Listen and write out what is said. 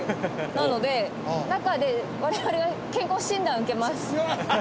なので中で我々が健康診断受けます。